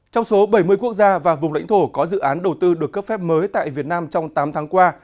trong số bảy mươi quốc gia và vùng lãnh thổ có dự án đầu tư được cấp phép mới tại việt nam trong tám tháng qua